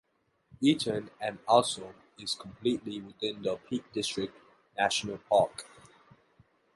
Eaton and Alsop is completely within the Peak District National Park.